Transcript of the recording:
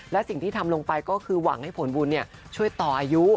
และสิ่งที่ทำลงไปก็คือหวังให้ผลบุญช่วยต่ออายุ